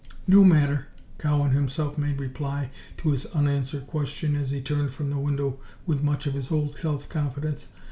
"No matter," Cowan himself made reply to his unanswered question as he turned from the window with much of his old self confidence.